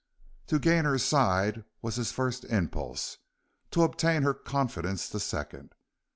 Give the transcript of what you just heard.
To gain her side was his first impulse. To obtain her confidence the second.